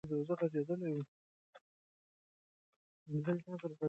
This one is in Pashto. د کونډو او بېوزلو لاسنیوی وکړئ.